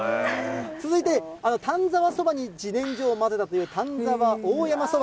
続いて、丹沢そばにじねんじょを混ぜたという、丹沢大山そば。